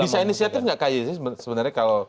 bisa inisiatif nggak kai sih sebenarnya